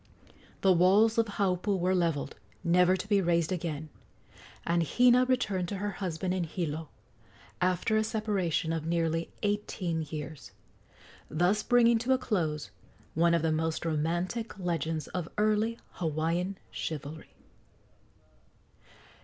The walls of Haupu were levelled, never to be raised again, and Hina returned to her husband in Hilo, after a separation of nearly eighteen years, thus bringing to a close one of the most romantic legends of early Hawaiian chivalry.